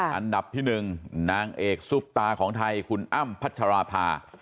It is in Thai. อันดับที่๑นางเอกซุปตาของไทยคุณอ้ำพัชราภา